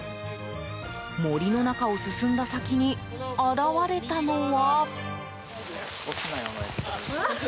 森の中を進んだ先に現れたのは。